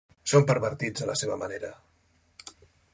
Són pervertits a la seva manera.